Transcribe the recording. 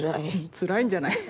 つらいんじゃない。